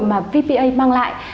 mà vpa mang lại